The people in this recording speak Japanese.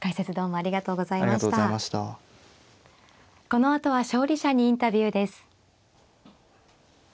このあとは勝利者にインタビューです。